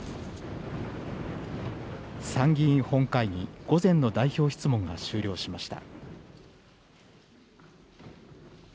参議院本会議、午前の代表質問が終了しました。